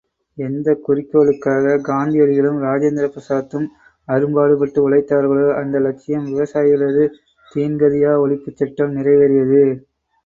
எந்தக் குறிக்கோளுக்காக காந்தியடிகளும் ராஜேந்திர பிரசாத்தும் அரும்பாடுபட்டு உழைத்தார்களோ, அந்த லட்சியம் விவசாயிகளது தீன்கதியா ஒழிப்புச் சட்டம் நிறைவேறியது.